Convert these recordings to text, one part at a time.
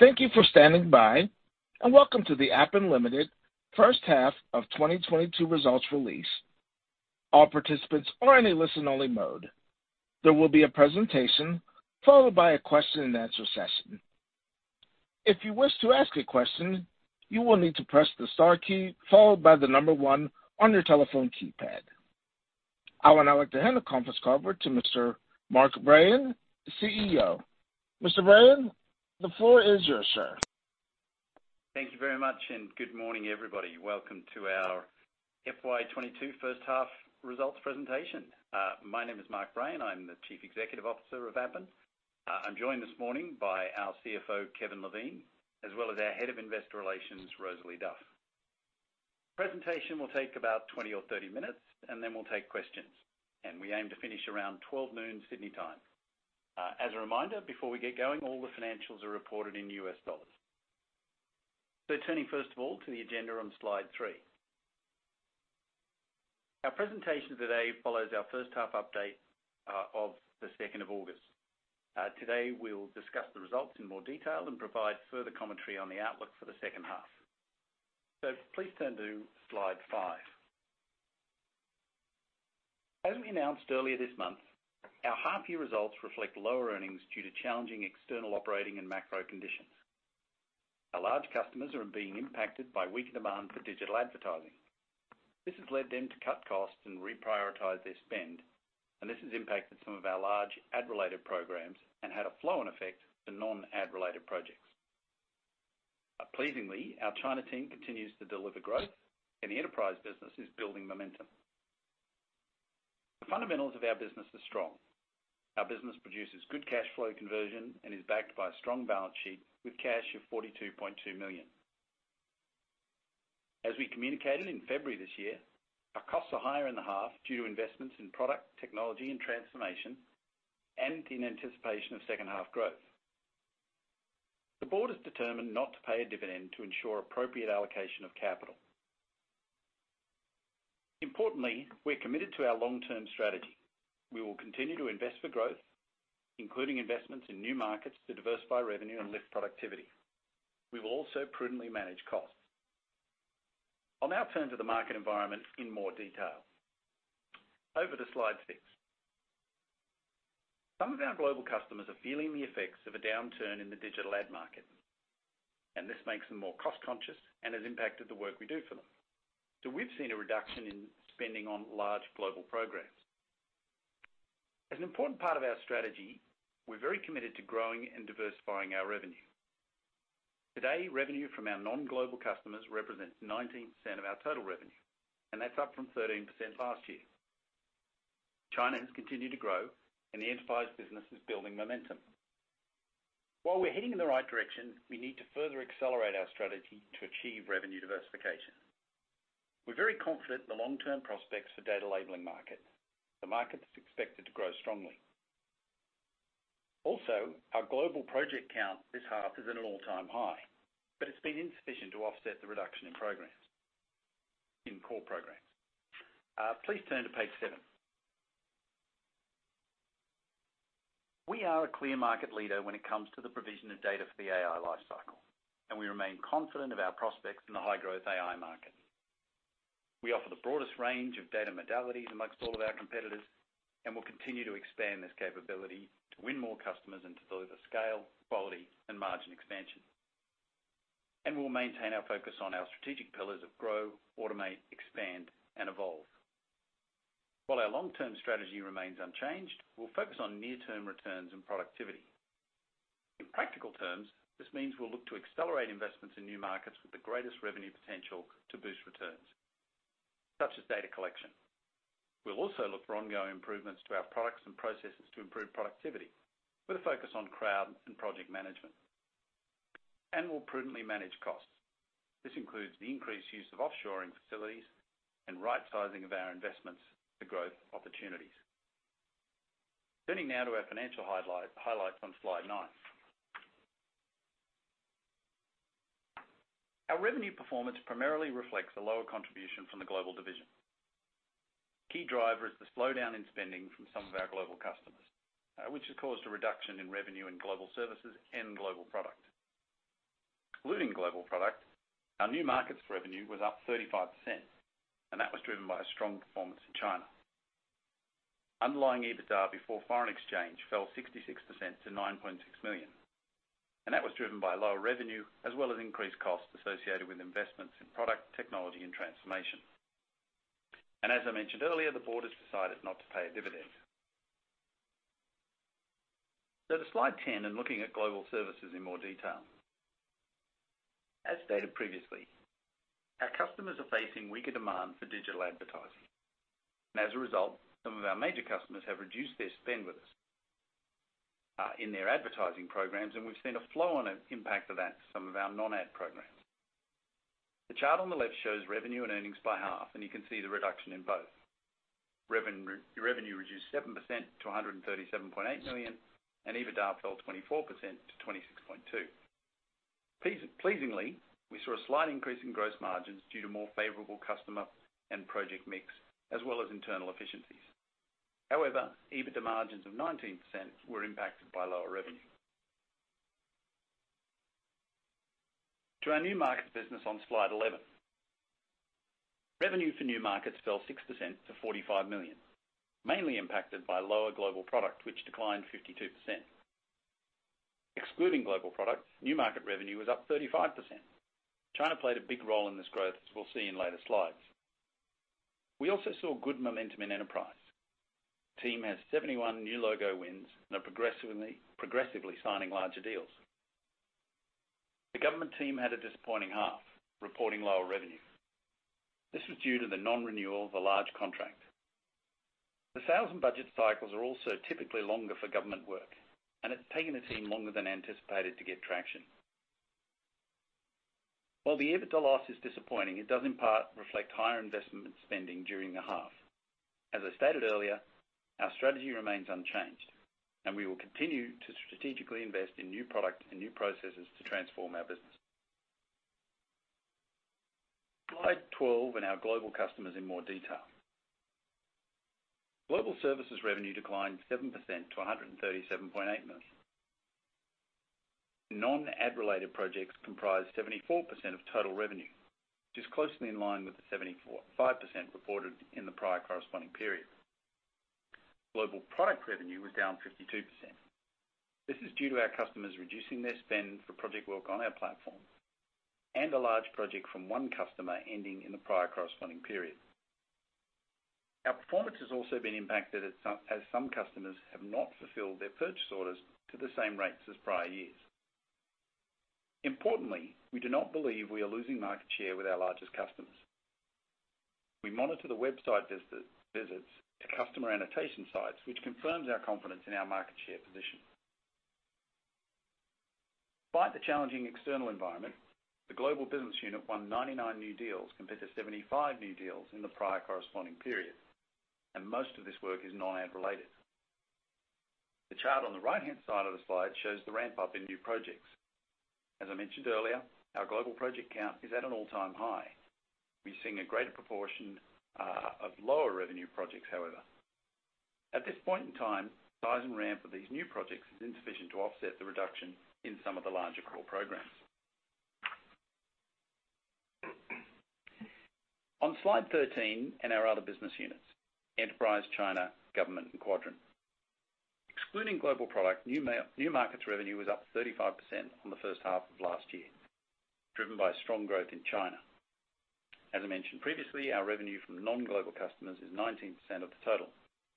Thank you for standing by, and welcome to the Appen Limited first half of 2022 results release. All participants are in a listen only mode. There will be a presentation followed by a question and answer session. If you wish to ask a question, you will need to press the star key followed by the number one on your telephone keypad. I would now like to hand the conference call over to Mr. Mark Brayan, the CEO. Mr. Brayan, the floor is yours, sir. Thank you very much, and good morning, everybody. Welcome to our FY 2022 first half results presentation. My name is Mark Brayan. I'm the Chief Executive Officer of Appen. I'm joined this morning by our CFO, Kevin Levine, as well as our Head of Investor Relations, Rosalie Duff. Presentation will take about 20 or 30 minutes, and then we'll take questions, and we aim to finish around 12:00 noon Sydney time. As a reminder, before we get going, all the financials are reported in US dollars. Turning first of all to the agenda on slide three. Our presentation today follows our first half update of the second of August. Today, we'll discuss the results in more detail and provide further commentary on the outlook for the second half. Please turn to slide five. As we announced earlier this month, our half year results reflect lower earnings due to challenging external operating and macro conditions. Our large customers are being impacted by weaker demand for digital advertising. This has led them to cut costs and reprioritize their spend, and this has impacted some of our large ad-related programs and had a flow-on effect to non-ad related projects. Pleasingly, our China team continues to deliver growth, and the enterprise business is building momentum. The fundamentals of our business are strong. Our business produces good cash flow conversion and is backed by a strong balance sheet with cash of 42.2 million. As we communicated in February this year, our costs are higher in the half due to investments in product, technology, and transformation and in anticipation of second half growth. The board is determined not to pay a dividend to ensure appropriate allocation of capital. Importantly, we're committed to our long-term strategy. We will continue to invest for growth, including investments in new markets to diversify revenue and lift productivity. We will also prudently manage costs. I'll now turn to the market environment in more detail. Over to slide six. Some of our global customers are feeling the effects of a downturn in the digital ad market, and this makes them more cost conscious and has impacted the work we do for them. We've seen a reduction in spending on large global programs. As an important part of our strategy, we're very committed to growing and diversifying our revenue. Today, revenue from our non-global customers represents 19% of our total revenue, and that's up from 13% last year. China has continued to grow and the enterprise business is building momentum. While we're heading in the right direction, we need to further accelerate our strategy to achieve revenue diversification. We're very confident in the long-term prospects for data labeling market. The market is expected to grow strongly. Also, our global project count this half is at an all-time high, but it's been insufficient to offset the reduction in programs, in core programs. Please turn to page seven. We are a clear market leader when it comes to the provision of data for the AI life cycle, and we remain confident of our prospects in the high-growth AI market. We offer the broadest range of data modalities amongst all of our competitors, and we'll continue to expand this capability to win more customers and to deliver scale, quality, and margin expansion. We'll maintain our focus on our strategic pillars of grow, automate, expand, and evolve. While our long-term strategy remains unchanged, we'll focus on near-term returns and productivity. In practical terms, this means we'll look to accelerate investments in New Markets with the greatest revenue potential to boost returns, such as data collection. We'll also look for ongoing improvements to our products and processes to improve productivity with a focus on crowd and project management. We'll prudently manage costs. This includes the increased use of offshoring facilities and right-sizing of our investments for growth opportunities. Turning now to our financial highlights on slide nine. Our revenue performance primarily reflects a lower contribution from the global division. Key driver is the slowdown in spending from some of our global customers, which has caused a reduction in revenue in Global Services and Global Product. Excluding Global Product, our New Markets revenue was up 35%, and that was driven by a strong performance in China. Underlying EBITDA before foreign exchange fell 66% to $9.6 million, and that was driven by lower revenue as well as increased costs associated with investments in product, technology, and transformation. As I mentioned earlier, the board has decided not to pay a dividend. To slide 10 and looking at Global Services in more detail. As stated previously, our customers are facing weaker demand for digital advertising. As a result, some of our major customers have reduced their spend with us in their advertising programs, and we've seen a flow on impact of that to some of our non-ad programs. The chart on the left shows revenue and earnings by half, and you can see the reduction in both. Revenue reduced 7% to $137.8 million, and EBITDA fell 24% to $26.2 million. Pleasingly, we saw a slight increase in gross margins due to more favorable customer and project mix as well as internal efficiencies. However, EBITDA margins of 19% were impacted by lower revenue. To our New Markets business on slide 11. Revenue for New Markets fell 6% to $45 million, mainly impacted by lower Global Product, which declined 52%. Excluding Global Product, New Markets revenue was up 35%. China played a big role in this growth, as we'll see in later slides. We also saw good momentum in enterprise. Team has 71 new logo wins and are progressively signing larger deals. The government team had a disappointing half, reporting lower revenue. This was due to the non-renewal of a large contract. The sales and budget cycles are also typically longer for government work, and it's taken the team longer than anticipated to get traction. While the EBITDA loss is disappointing, it does in part reflect higher investment spending during the half. As I stated earlier, our strategy remains unchanged, and we will continue to strategically invest in new product and new processes to transform our business. Slide 12 and our global customers in more detail. Global Services revenue declined 7% to $137.8 million. Non-ad related projects comprised 74% of total revenue, which is closely in line with the 74.5% reported in the prior corresponding period. Global Product revenue was down 52%. This is due to our customers reducing their spend for project work on our platform and a large project from one customer ending in the prior corresponding period. Our performance has also been impacted as some customers have not fulfilled their purchase orders to the same rates as prior years. Importantly, we do not believe we are losing market share with our largest customers. We monitor the website visits to customer annotation sites, which confirms our confidence in our market share position. Despite the challenging external environment, the global business unit won 99 new deals compared to 75 new deals in the prior corresponding period, and most of this work is non-ad related. The chart on the right-hand side of the slide shows the ramp up in new projects. As I mentioned earlier, our global project count is at an all-time high. We're seeing a greater proportion of lower revenue projects, however. At this point in time, size and ramp of these new projects is insufficient to offset the reduction in some of the larger core programs. On slide 13, our other business units, Enterprise China, Government and Quadrant. Excluding Global Product, New Markets revenue was up 35% from the first half of last year, driven by strong growth in China. As I mentioned previously, our revenue from non-global customers is 19% of the total,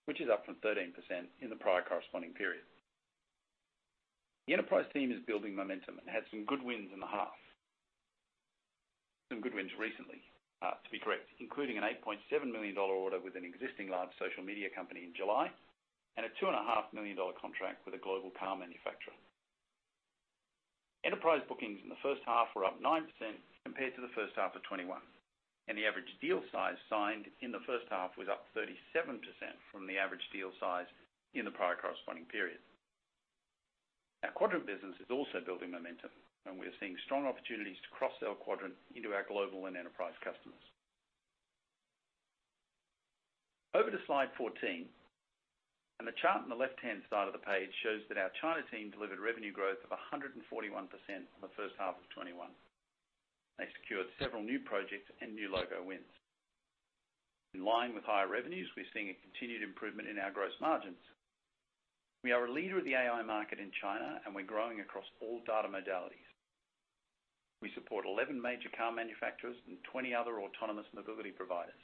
which is up from 13% in the prior corresponding period. The Enterprise team is building momentum and had some good wins in the half. Some good wins recently, to be correct, including an $8.7 million order with an existing large social media company in July and a $2.5 million contract with a global car manufacturer. Enterprise bookings in the first half were up 9% compared to the first half of 2021, and the average deal size signed in the first half was up 37% from the average deal size in the prior corresponding period. Our Quadrant business is also building momentum, and we are seeing strong opportunities to cross-sell Quadrant into our global and enterprise customers. Over to slide 14. The chart on the left-hand side of the page shows that our China team delivered revenue growth of 141% for the first half of 2021. They secured several new projects and new logo wins. In line with higher revenues, we're seeing a continued improvement in our gross margins. We are a leader of the AI market in China, and we're growing across all data modalities. We support 11 major car manufacturers and 20 other autonomous mobility providers.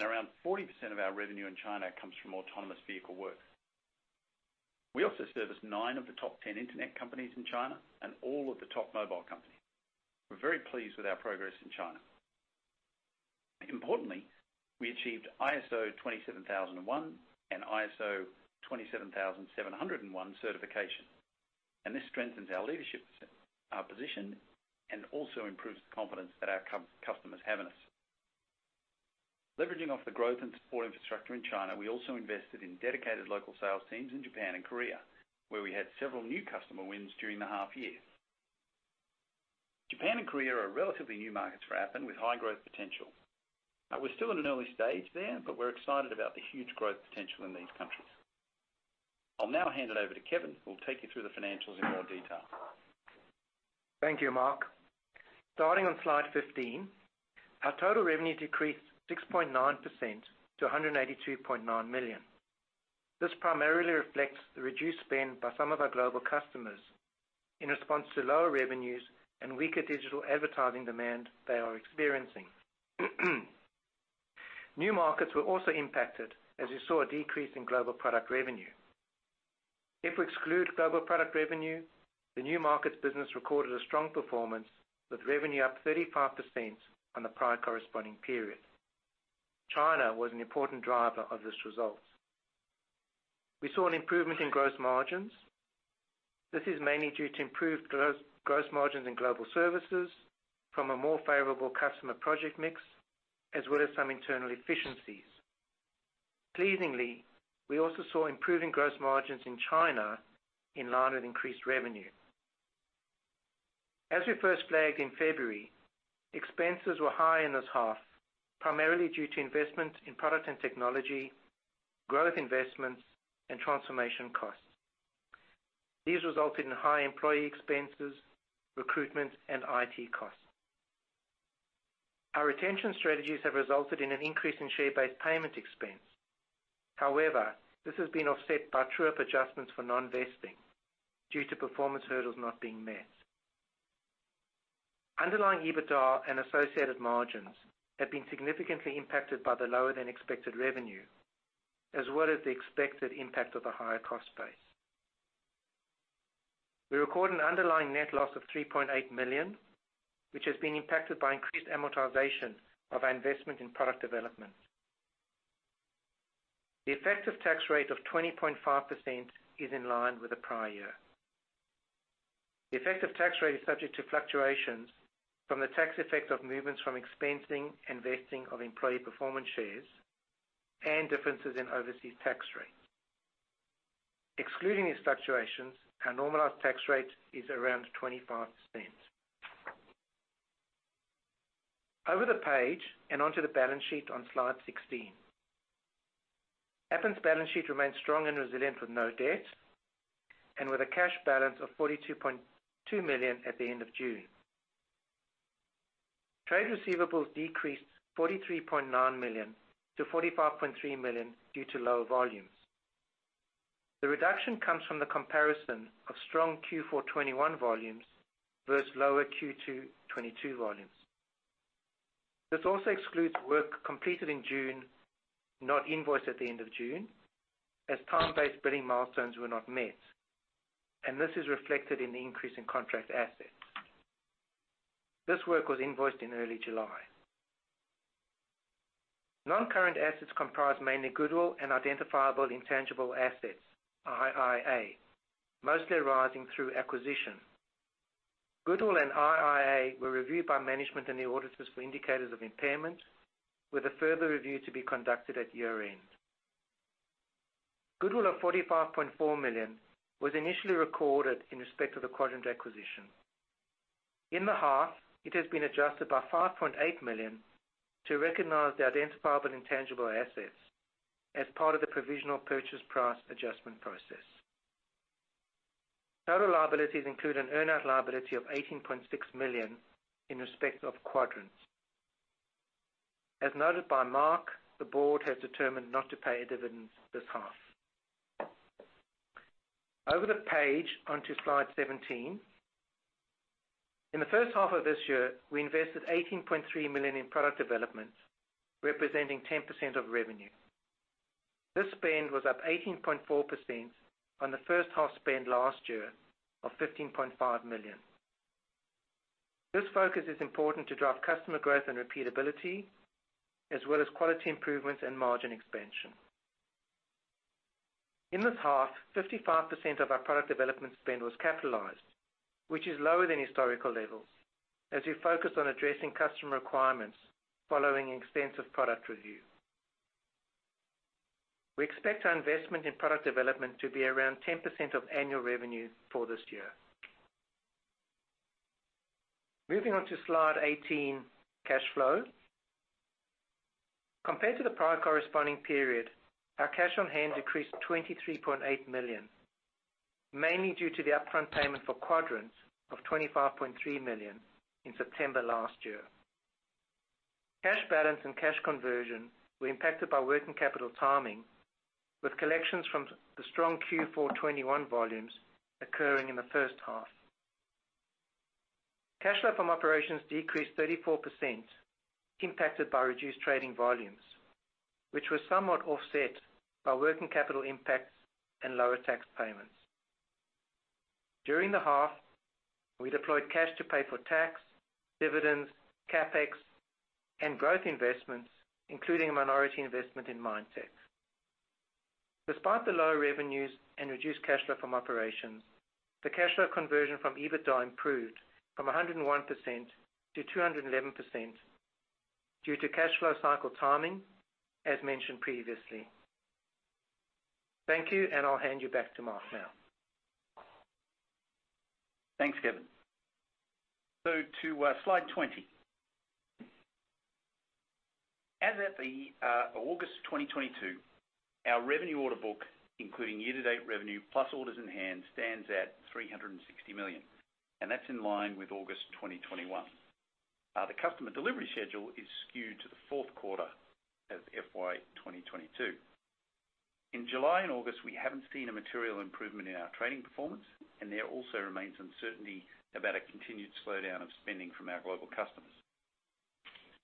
Around 40% of our revenue in China comes from autonomous vehicle work. We also service nine of the top ten internet companies in China and all of the top mobile companies. We're very pleased with our progress in China. Importantly, we achieved ISO/IEC 27001 and ISO/IEC 27701 certification. This strengthens our leadership, our position, and also improves the confidence that our customers have in us. Leveraging off the growth and support infrastructure in China, we also invested in dedicated local sales teams in Japan and Korea, where we had several new customer wins during the half year. Japan and Korea are relatively new markets for Appen with high growth potential. We're still at an early stage there, but we're excited about the huge growth potential in these countries. I'll now hand it over to Kevin, who will take you through the financials in more detail. Thank you, Mark. Starting on slide 15, our total revenue decreased 6.9% to $182.9 million. This primarily reflects the reduced spend by some of our global customers in response to lower revenues and weaker digital advertising demand they are experiencing. New Markets were also impacted as we saw a decrease in Global Product revenue. If we exclude Global Product revenue, the New Markets business recorded a strong performance with revenue up 35% on the prior corresponding period. China was an important driver of this result. We saw an improvement in gross margins. This is mainly due to improved gross margins in Global Services from a more favorable customer project mix, as well as some internal efficiencies. Pleasingly, we also saw improving gross margins in China in line with increased revenue. As we first flagged in February, expenses were high in this half, primarily due to investment in product and technology, growth investments and transformation costs. These resulted in high employee expenses, recruitment and IT costs. Our retention strategies have resulted in an increase in share-based payment expense. However, this has been offset by true-up adjustments for non-vesting due to performance hurdles not being met. Underlying EBITDA and associated margins have been significantly impacted by the lower than expected revenue, as well as the expected impact of the higher cost base. We record an underlying net loss of $3.8 million, which has been impacted by increased amortization of our investment in product development. The effective tax rate of 20.5% is in line with the prior year. The effective tax rate is subject to fluctuations from the tax effect of movements from expensing and vesting of employee performance shares and differences in overseas tax rates. Excluding these fluctuations, our normalized tax rate is around 25%. Over the page and onto the balance sheet on slide 16. Appen's balance sheet remains strong and resilient, with no debt and with a cash balance of 42.2 million at the end of June. Trade receivables decreased 43.9 million to 45.3 million due to lower volumes. The reduction comes from the comparison of strong Q4 2021 volumes versus lower Q2 2022 volumes. This also excludes work completed in June, not invoiced at the end of June, as time-based billing milestones were not met, and this is reflected in the increase in contract assets. This work was invoiced in early July. Non-current assets comprise mainly goodwill and identifiable intangible assets, IIA, mostly arising through acquisition. Goodwill and IIA were reviewed by management and the auditors for indicators of impairment, with a further review to be conducted at year-end. Goodwill of 45.4 million was initially recorded in respect of the Quadrant acquisition. In the half, it has been adjusted by 5.8 million to recognize the identifiable intangible assets as part of the provisional purchase price adjustment process. Total liabilities include an earn-out liability of 18.6 million in respect of Quadrant. As noted by Mark, the board has determined not to pay a dividend this half. Over the page onto slide 17. In the first half of this year, we invested 18.3 million in product developments, representing 10% of revenue. This spend was up 18.4% on the first half spend last year of $15.5 million. This focus is important to drive customer growth and repeatability as well as quality improvements and margin expansion. In this half, 55% of our product development spend was capitalized, which is lower than historical levels as we focus on addressing customer requirements following extensive product review. We expect our investment in product development to be around 10% of annual revenue for this year. Moving on to slide 18, cash flow. Compared to the prior corresponding period, our cash on hand decreased $23.8 million, mainly due to the upfront payment for Quadrant of $25.3 million in September last year. Cash balance and cash conversion were impacted by working capital timing, with collections from the strong Q4 2021 volumes occurring in the first half. Cash flow from operations decreased 34% impacted by reduced trading volumes, which were somewhat offset by working capital impacts and lower tax payments. During the half, we deployed cash to pay for tax, dividends, CapEx and growth investments, including a minority investment in Mindtech. Despite the lower revenues and reduced cash flow from operations, the cash flow conversion from EBITDA improved from 101% to 211% due to cash flow cycle timing, as mentioned previously. Thank you, and I'll hand you back to Mark now. Thanks, Kevin. To slide 20. As at August 2022, our revenue order book, including year-to-date revenue, plus orders in hand, stands at $360 million, and that's in line with August 2021. The customer delivery schedule is skewed to the fourth quarter of FY 2022. In July and August, we haven't seen a material improvement in our trading performance, and there also remains uncertainty about a continued slowdown of spending from our global customers.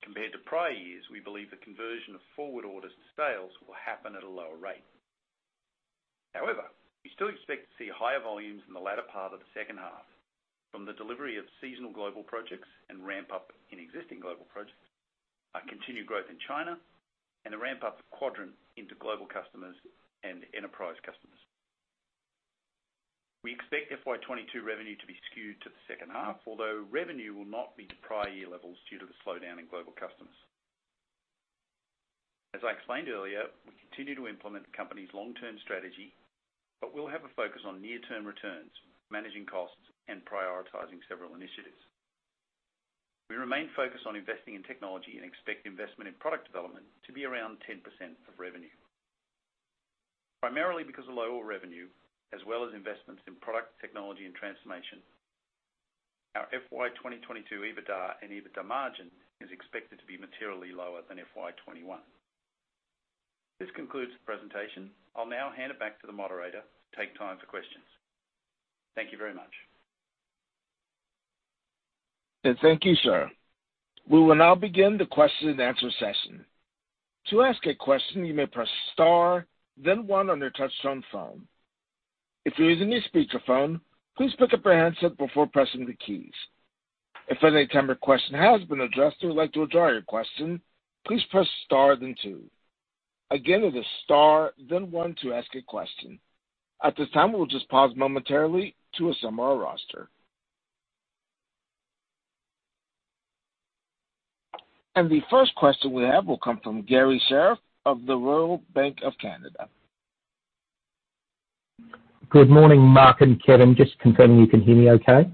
Compared to prior years, we believe the conversion of forward orders to sales will happen at a lower rate. However, we still expect to see higher volumes in the latter part of the second half from the delivery of seasonal global projects and ramp up in existing global projects, a continued growth in China and the ramp up of Quadrant into global customers and enterprise customers. We expect FY 2022 revenue to be skewed to the second half, although revenue will not be to prior year levels due to the slowdown in global customers. As I explained earlier, we continue to implement the company's long-term strategy, but we'll have a focus on near-term returns, managing costs, and prioritizing several initiatives. We remain focused on investing in technology and expect investment in product development to be around 10% of revenue. Primarily because of lower revenue as well as investments in product technology and transformation, our FY 2022 EBITDA and EBITDA margin is expected to be materially lower than FY 2021. This concludes the presentation. I'll now hand it back to the moderator to take time for questions. Thank you very much. Thank you, sir. We will now begin the question and answer session. To ask a question, you may press star then one on your touchtone phone. If you're using a speakerphone, please pick up your handset before pressing the keys. If any type of question has been addressed or you'd like to withdraw your question, please press star then two. Again, it is star then one to ask a question. At this time, we'll just pause momentarily to assemble our roster. The first question we have will come from Garry Sherriff of the Royal Bank of Canada. Good morning, Mark and Kevin. Just confirming you can hear me okay.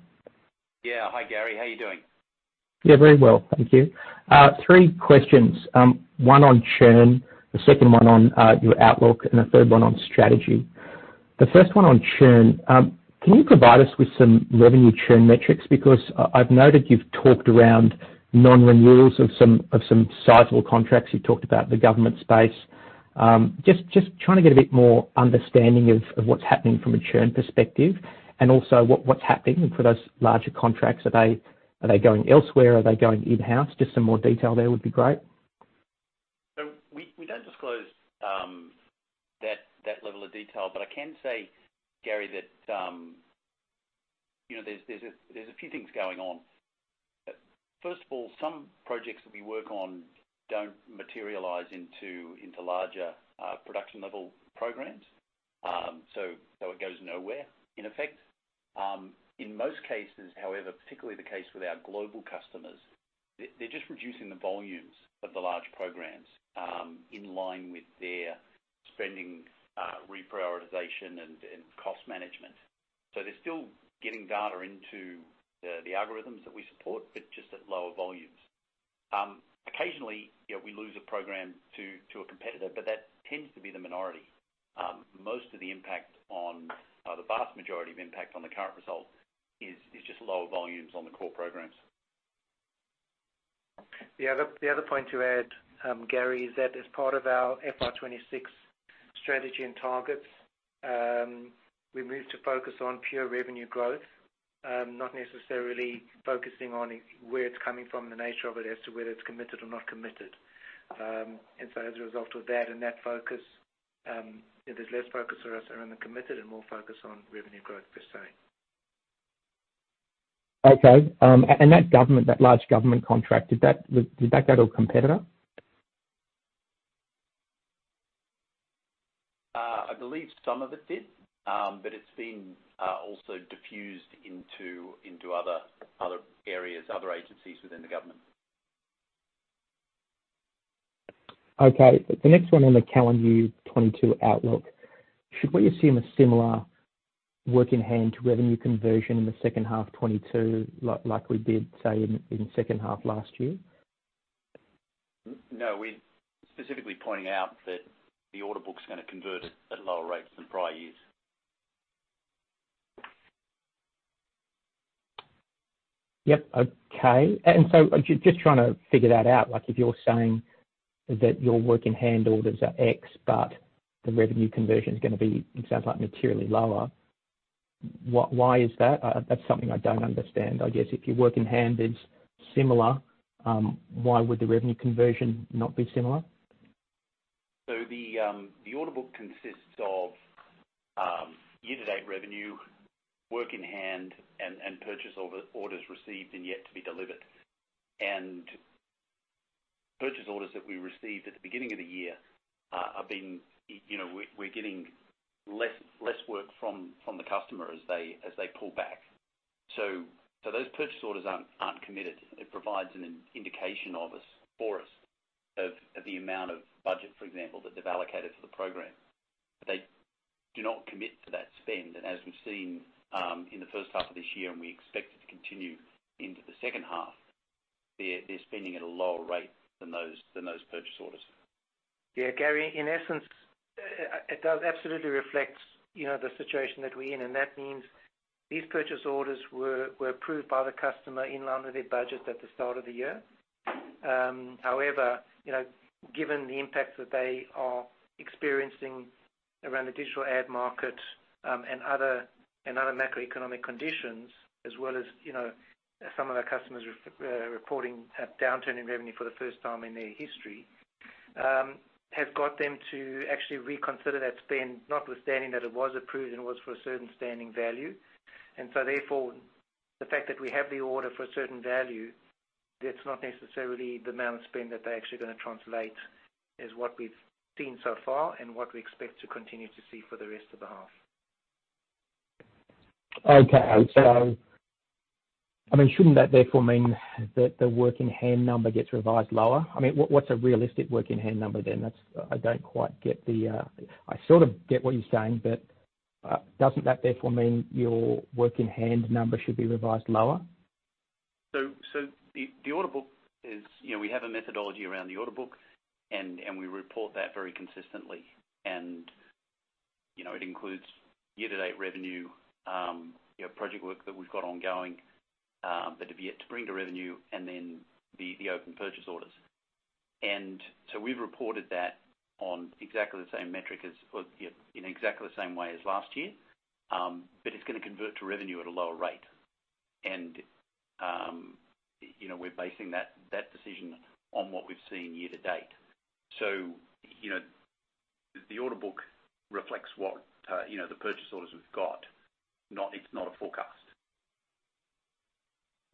Yeah. Hi, Garry. How are you doing? Yeah, very well. Thank you. Three questions. One on churn, the second one on your outlook, and the third one on strategy. The first one on churn, can you provide us with some revenue churn metrics? Because I've noted you've talked around non-renewals of some sizable contracts. You talked about the government space. Just trying to get a bit more understanding of what's happening from a churn perspective and also what's happening for those larger contracts. Are they going elsewhere? Are they going in-house? Just some more detail there would be great. We don't disclose that level of detail. I can say, Garry, that you know, there's a few things going on. First of all, some projects that we work on don't materialize into larger production level programs. It goes nowhere in effect. In most cases, however, particularly the case with our global customers, they're just reducing the volumes of the large programs in line with their spending reprioritization and cost management. They're still getting data into the algorithms that we support, but just at lower volumes. Occasionally, you know, we lose a program to a competitor, but that tends to be the minority. The vast majority of impact on the current result is just lower volumes on the core programs. The other point to add, Gary, is that as part of our FY 2026 strategy and targets, we moved to focus on pure revenue growth, not necessarily focusing on where it's coming from, the nature of it as to whether it's committed or not committed. As a result of that focus, there's less focus for us around the committed and more focus on revenue growth per se. Okay. That government, that large government contract, did that go to a competitor? I believe some of it did, but it's been also diffused into other areas, other agencies within the government. Okay. The next one on the calendar year 2022 outlook. Should we assume a similar work in hand to revenue conversion in the second half 2022, like we did, say, in second half last year? No, we're specifically pointing out that the order book's gonna convert at lower rates than prior years. Yep. Okay. Just trying to figure that out, like if you're saying that your work-in-hand orders are X, but the revenue conversion is gonna be, it sounds like materially lower, why is that? That's something I don't understand. I guess if your work-in-hand is similar, why would the revenue conversion not be similar? The order book consists of year-to-date revenue, work in hand, and purchase orders received and yet to be delivered. Purchase orders that we received at the beginning of the year, you know, we're getting less work from the customer as they pull back. Those purchase orders aren't committed. It provides an indication for us of the amount of budget, for example, that they've allocated for the program. They do not commit to that spend. As we've seen in the first half of this year, and we expect it to continue into the second half, they're spending at a lower rate than those purchase orders. Yeah. Garry, in essence, it does absolutely reflect, you know, the situation that we're in, and that means these purchase orders were approved by the customer in line with their budget at the start of the year. However, you know, given the impact that they are experiencing around the digital ad market, and other macroeconomic conditions, as well as, you know, some of our customers reporting a downturn in revenue for the first time in their history, have got them to actually reconsider that spend, notwithstanding that it was approved and it was for a certain standing value. Therefore, the fact that we have the order for a certain value, that's not necessarily the amount of spend that they're actually gonna translate, is what we've seen so far and what we expect to continue to see for the rest of the half. Okay. I mean, shouldn't that therefore mean that the work in hand number gets revised lower? I mean, what's a realistic work in hand number then? That's, I don't quite get the, I sort of get what you're saying, but, doesn't that therefore mean your work in hand number should be revised lower? The order book is, you know, we have a methodology around the order book and we report that very consistently. It includes year-to-date revenue, project work that we've got ongoing, that are yet to bring to revenue and then the open purchase orders. We've reported that on exactly the same metric as, or, you know, in exactly the same way as last year. It's gonna convert to revenue at a lower rate. We're basing that decision on what we've seen year to date. The order book reflects what the purchase orders we've got. It's not a forecast.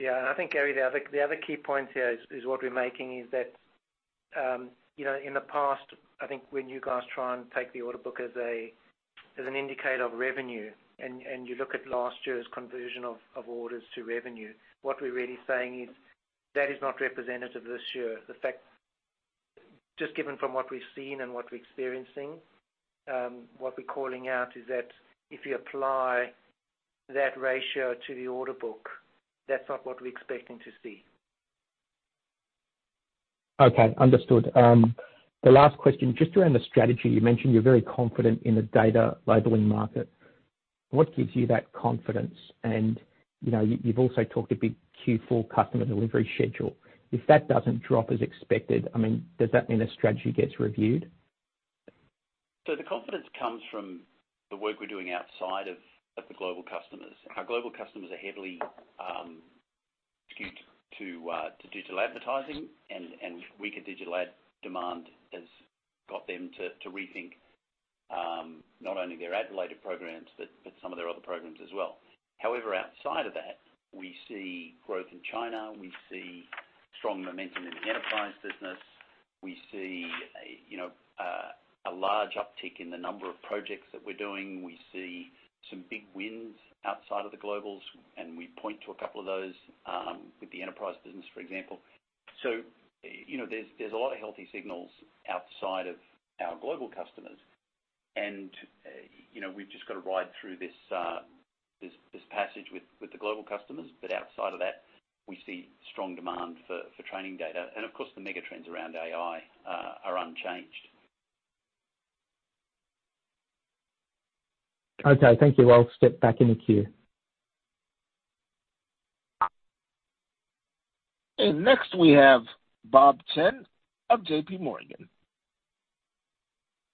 Yeah. I think, Garry, the other key point here is what we're making is that, you know, in the past, I think when you guys try and take the order book as an indicator of revenue and you look at last year's conversion of orders to revenue, what we're really saying is that is not representative this year. Just given from what we've seen and what we're experiencing, what we're calling out is that if you apply that ratio to the order book, that's not what we're expecting to see. Okay, understood. The last question, just around the strategy. You mentioned you're very confident in the data labeling market. What gives you that confidence? You know, you've also talked about a big Q4 customer delivery schedule. If that doesn't drop as expected, I mean, does that mean the strategy gets reviewed? The confidence comes from the work we're doing outside of the global customers. Our global customers are heavily skewed to digital advertising and weaker digital ad demand has got them to rethink not only their ad-related programs but some of their other programs as well. However, outside of that, we see growth in China. We see strong momentum in the enterprise business. We see, you know, a large uptick in the number of projects that we're doing. We see some big wins outside of the globals, and we point to a couple of those with the enterprise business, for example. You know, there's a lot of healthy signals outside of our global customers. You know, we've just got to ride through this passage with the global customers, but outside of that, we see strong demand for training data. Of course, the mega trends around AI are unchanged. Okay, thank you. I'll step back in the queue. Next we have Bob Chen of JP Morgan.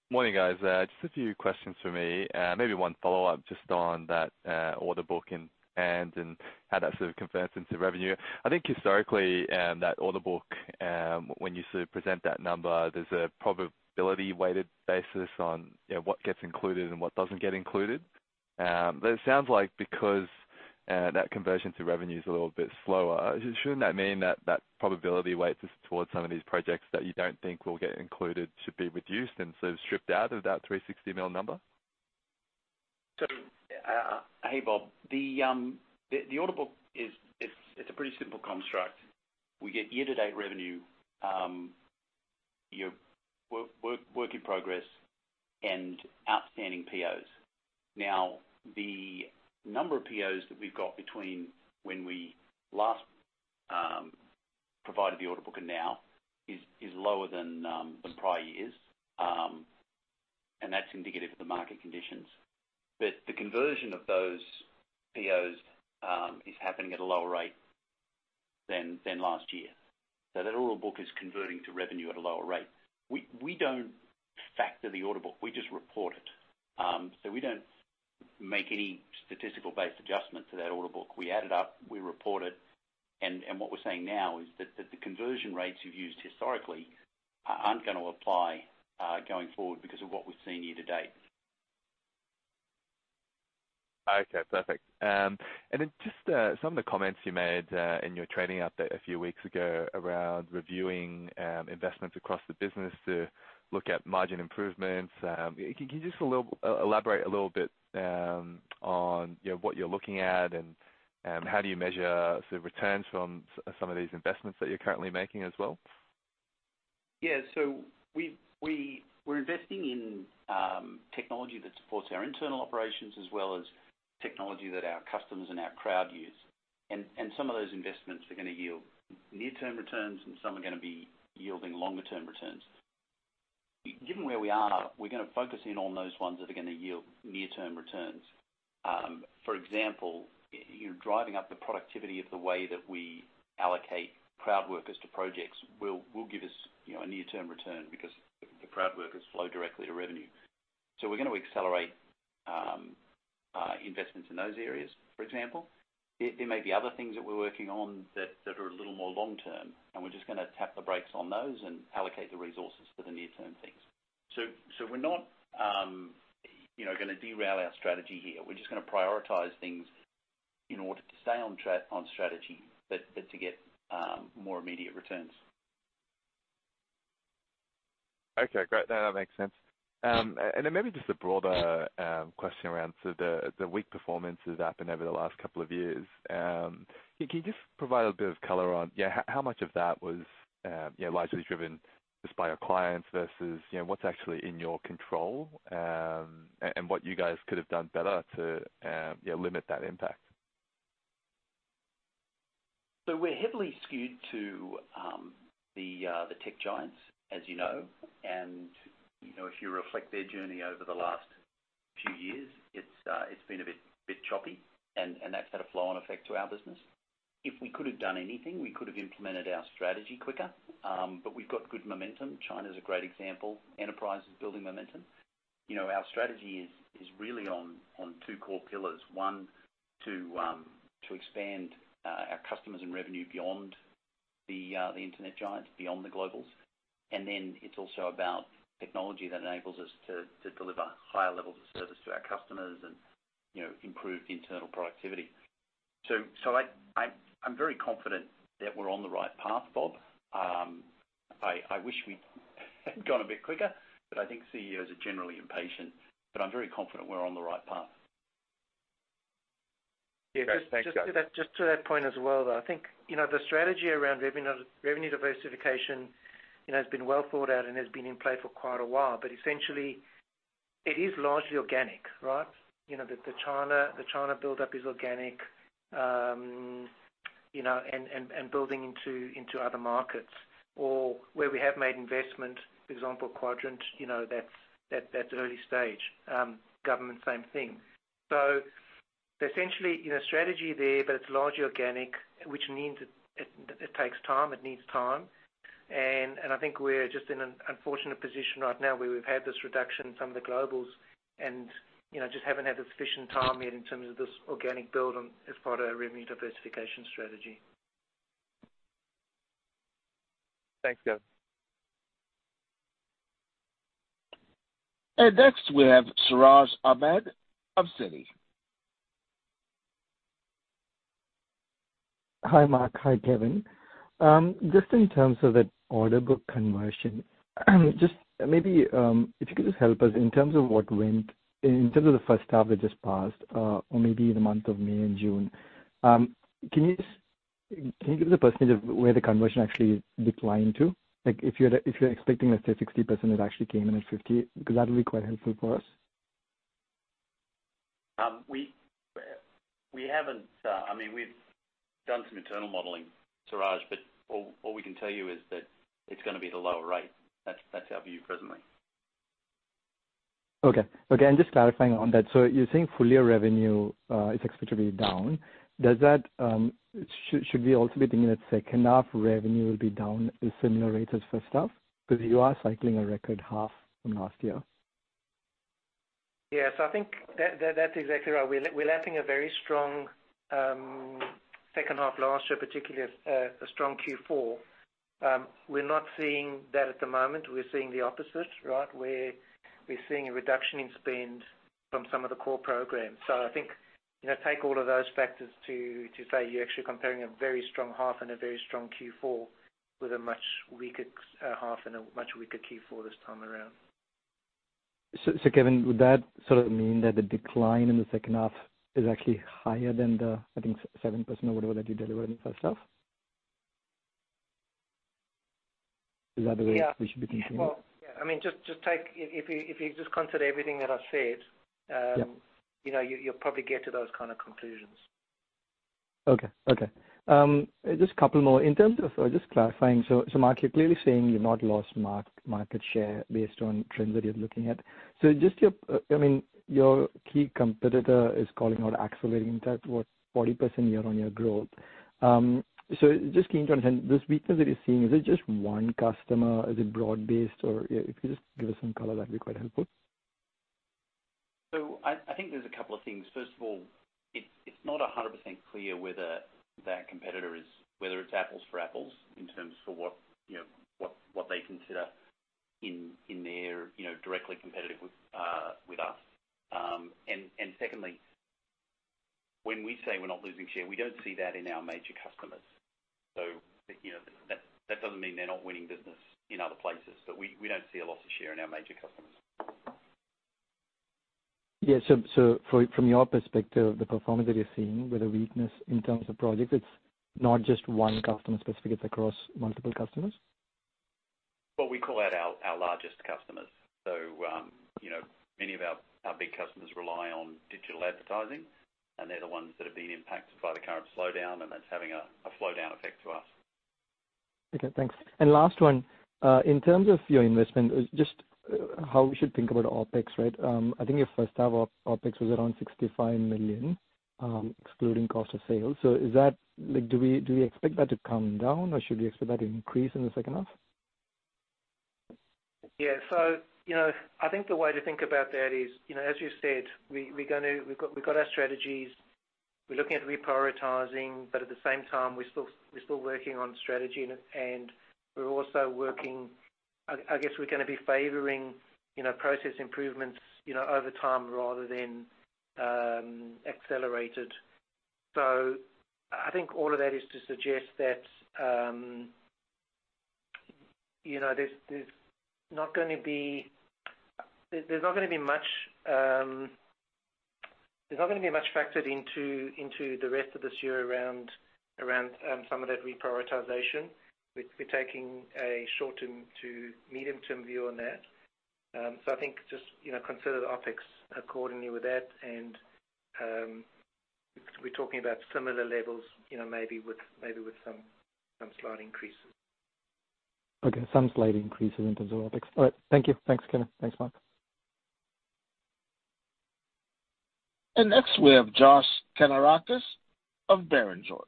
Morning, guys. Just a few questions from me, maybe one follow-up just on that order book and how that sort of converts into revenue. I think historically, that order book, when you sort of present that number, there's a probability weighted basis on, you know, what gets included and what doesn't get included. But it sounds like because that conversion to revenue is a little bit slower, shouldn't that mean that that probability weight towards some of these projects that you don't think will get included should be reduced and sort of stripped out of that $360 million number? Hey, Bob. The order book is. It's a pretty simple construct. We get year-to-date revenue, your work in progress and outstanding POs. Now, the number of POs that we've got between when we last provided the order book and now is lower than prior years. That's indicative of the market conditions. The conversion of those POs is happening at a lower rate than last year. That order book is converting to revenue at a lower rate. We don't factor the order book, we just report it. We don't make any statistical-based adjustment to that order book. We add it up, we report it, and what we're saying now is that the conversion rates you've used historically aren't gonna apply going forward because of what we've seen year to date. Okay, perfect. And then just some of the comments you made in your trading update a few weeks ago around reviewing investments across the business to look at margin improvements. Can you just elaborate a little bit on, you know, what you're looking at and how do you measure the returns from some of these investments that you're currently making as well? Yeah. We're investing in technology that supports our internal operations as well as technology that our customers and our crowd use. Some of those investments are gonna yield near-term returns, and some are gonna be yielding longer-term returns. Given where we are, we're gonna focus in on those ones that are gonna yield near-term returns. For example, you know, driving up the productivity of the way that we allocate crowd workers to projects will give us, you know, a near-term return because the crowd workers flow directly to revenue. We're gonna accelerate investments in those areas, for example. There may be other things that we're working on that are a little more long term, and we're just gonna tap the brakes on those and allocate the resources for the near-term things. We're not, you know, gonna derail our strategy here. We're just gonna prioritize things in order to stay on strategy, but to get more immediate returns. Okay, great. No, that makes sense. Maybe just a broader question around so the weak performances that happened over the last couple of years. Can you just provide a bit of color on yeah how much of that was you know largely driven just by your clients versus you know what's actually in your control? What you guys could have done better to yeah limit that impact? We're heavily skewed to the tech giants, as you know. You know, if you reflect their journey over the last few years, it's been a bit choppy and that's had a flow-on effect to our business. If we could have done anything, we could have implemented our strategy quicker. We've got good momentum. China's a great example. Enterprise is building momentum. You know, our strategy is really on two core pillars. One, to expand our customers and revenue beyond the Internet giants, beyond the globals. Then it's also about technology that enables us to deliver higher levels of service to our customers and, you know, improve internal productivity. I'm very confident that we're on the right path, Bob. I wish we'd gone a bit quicker, but I think CEOs are generally impatient. I'm very confident we're on the right path. Yeah. Thanks, guys. Just to that point as well, though. I think, you know, the strategy around revenue diversification, you know, has been well thought out and has been in play for quite a while. Essentially, it is largely organic, right? You know, the China buildup is organic, you know, and building into other markets. Where we have made investment, for example, Quadrant, you know, that's early stage. Government, same thing. Essentially, you know, strategy there, but it's largely organic, which means it takes time, it needs time. I think we're just in an unfortunate position right now where we've had this reduction in some of the globals and, you know, just haven't had the sufficient time yet in terms of this organic build-out as part of our revenue diversification strategy. Thanks, guys. Next, we have Siraj Ahmed of Citi. Hi, Mark. Hi, Kevin. Just in terms of the order book conversion, just maybe if you could just help us in terms of the first half that just passed, or maybe the month of May and June, can you give the percentage of where the conversion actually is declining to? Like, if you're expecting, let's say 60%, it actually came in at 50%. Because that'll be quite helpful for us. We haven't, I mean, we've done some internal modeling, Siraj, but all we can tell you is that it's gonna be the lower rate. That's our view presently. Okay. Okay, just clarifying on that. You're saying full-year revenue is expected to be down. Should we also be thinking that second half revenue will be down in similar rates as first half? Because you are cycling a record half from last year. Yes, I think that that's exactly right. We're lapping a very strong second half last year, particularly a strong Q4. We're not seeing that at the moment. We're seeing the opposite, right? We're seeing a reduction in spend from some of the core programs. I think, you know, take all of those factors to say you're actually comparing a very strong half and a very strong Q4 with a much weaker half and a much weaker Q4 this time around. Kevin, would that sort of mean that the decline in the second half is actually higher than the, I think, 7% or whatever that you delivered in first half? Is that the way? Yeah. We should be thinking about? Well, yeah, I mean, if you just consider everything that I've said. Yeah. You know, you'll probably get to those kind of conclusions. Okay. Just a couple more. In terms of, just clarifying. Mark, you're clearly saying you've not lost market share based on trends that you're looking at. Just your, I mean, your key competitor is calling out accelerating towards 40% year-on-year growth. Just keen to understand, this weakness that you're seeing, is it just one customer? Is it broad-based? Or if you could just give us some color, that'd be quite helpful. I think there's a couple of things. First of all, it's not 100% clear whether it's apples to apples in terms of what, you know, what they consider in their, you know, directly competitive with us. Secondly, when we say we're not losing share, we don't see that in our major customers. You know, that doesn't mean they're not winning business in other places. But we don't see a loss of share in our major customers. Yeah. From your perspective, the performance that you're seeing with a weakness in terms of projects, it's not just one customer specific, it's across multiple customers? Well, we call out our largest customers. You know, many of our big customers rely on digital advertising, and they're the ones that have been impacted by the current slowdown, and that's having a slowdown effect to us. Okay, thanks. Last one, in terms of your investment, just how we should think about OpEx, right? I think your first half OpEx was around $65 million, excluding cost of sales. Is that, like, do we expect that to come down, or should we expect that to increase in the second half? Yeah, you know, I think the way to think about that is, you know, as you've said, we're gonna, we've got our strategies. We're looking at reprioritizing, but at the same time, we're still working on strategy and we're also working. I guess we're gonna be favoring, you know, process improvements, you know, over time rather than accelerated. I think all of that is to suggest that, you know, there's not gonna be much factored into the rest of this year around some of that reprioritization. We're taking a short-term to medium-term view on that. I think just, you know, consider the OpEx accordingly with that and we're talking about similar levels, you know, maybe with some slight increases. Okay. Some slight increases in terms of OpEx. All right. Thank you. Thanks, Kevin. Thanks, Mark. Next, we have Josh Kannourakis of Barrenjoey.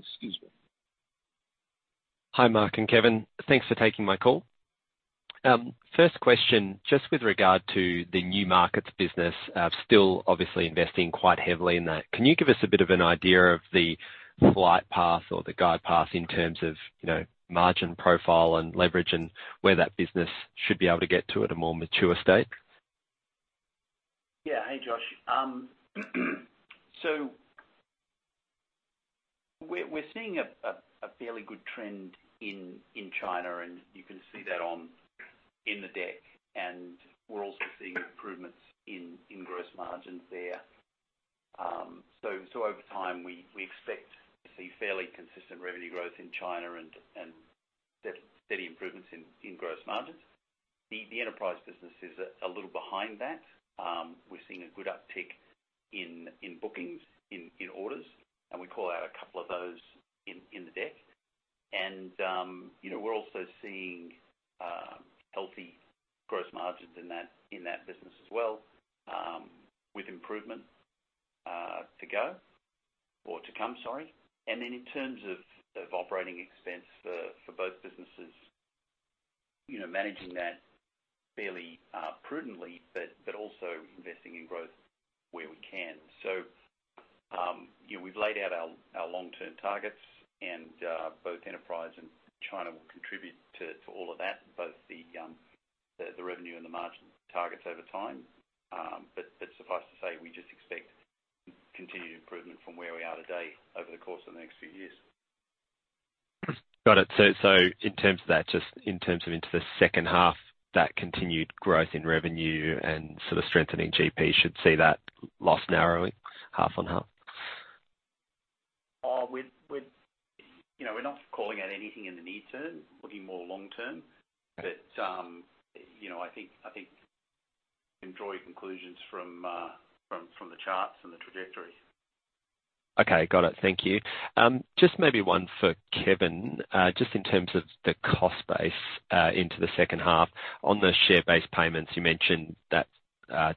Excuse me. Hi, Mark and Kevin. Thanks for taking my call. First question, just with regard to the New Markets business, still obviously investing quite heavily in that. Can you give us a bit of an idea of the flight path or the guide path in terms of, you know, margin profile and leverage and where that business should be able to get to at a more mature state? Yeah. Hey, Josh. We're seeing a fairly good trend in China, and you can see that in the deck, and we're also seeing improvements in gross margins there. Over time, we expect to see fairly consistent revenue growth in China and steady improvements in gross margins. The enterprise business is a little behind that. We're seeing a good uptick in bookings, in orders, and we call out a couple of those in the deck. You know, we're also seeing healthy gross margins in that business as well, with improvement to go or to come, sorry. In terms of operating expense for both businesses, you know, managing that fairly, prudently, but also investing in growth where we can. You know, we've laid out our long-term targets and both enterprise and China will contribute to all of that, both the revenue and the margin targets over time. Suffice to say, we just expect continued improvement from where we are today over the course of the next few years. Got it. Just in terms of into the second half, that continued growth in revenue and sort of strengthening GP should see that loss narrowing half on half? You know, we're not calling out anything in the near term. Looking more long term. Okay. You know, I think you can draw your conclusions from the charts and the trajectory. Okay. Got it. Thank you. Just maybe one for Kevin. Just in terms of the cost base, into the second half. On the share-based payments, you mentioned that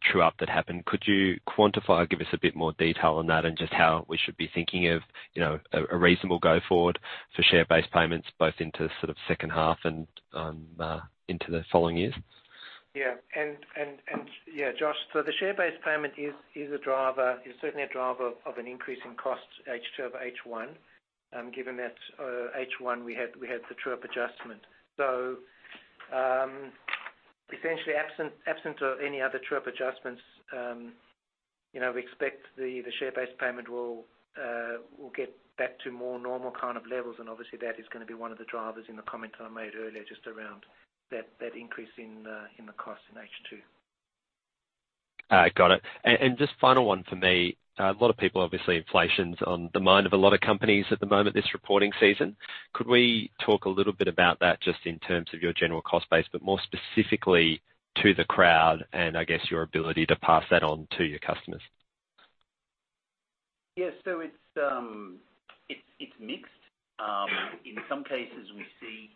true-up that happened. Could you quantify or give us a bit more detail on that and just how we should be thinking of, you know, a reasonable go forward for share-based payments both into sort of second half and into the following years? Yeah. Yeah, Josh. The share-based payment is a driver, certainly a driver of an increase in cost H2 over H1, given that H1 we had the true-up adjustment. Essentially absent of any other true-up adjustments, you know, we expect the share-based payment will get back to more normal kind of levels, and obviously that is gonna be one of the drivers in the comment I made earlier just around that increase in the cost in H2. Just final one for me. A lot of people, obviously inflation's on the mind of a lot of companies at the moment this reporting season. Could we talk a little bit about that just in terms of your general cost base, but more specifically to the crowd and I guess your ability to pass that on to your customers? Yeah. It's mixed. In some cases we see